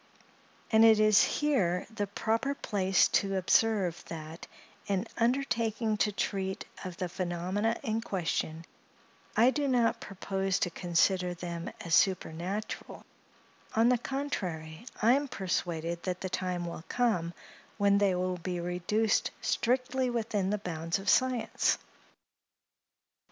And it is here the proper place to observe, that, in undertaking to treat of the phenomena in question, I do not propose to consider them as supernatural; on the contrary, I am persuaded that the time will come, when they will be reduced strictly within the bounds of science.